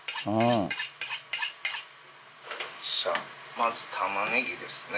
まず玉ねぎですね。